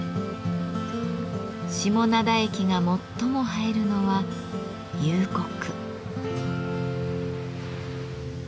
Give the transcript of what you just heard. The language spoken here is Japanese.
下灘駅が最も映えるのは夕刻。